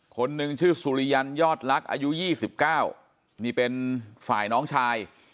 คนหนึ่งชื่อสุริยันยอดลักษณ์อายุ๒๙นี่เป็นฝ่ายน้องชาย